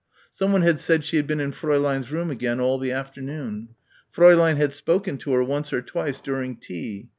Someone had said she had been in Fräulein's room again all the afternoon.... Fräulein had spoken to her once or twice during tea.